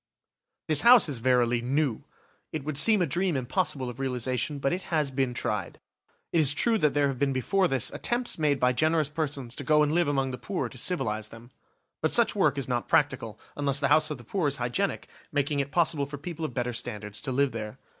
This house is verily new; it would seem a dream impossible of realisation, but it has been tried. It is true that there have been before this attempts made by generous persons to go and live among the poor to civilise them. But such work is not practical, unless the house of the poor is hygienic, making it possible for people of better standards to live there.